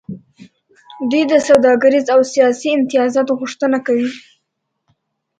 دوی د سوداګریزو او سیاسي امتیازاتو غوښتنه کوي